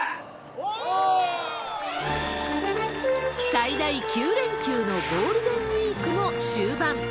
最大９連休のゴールデンウィークも終盤。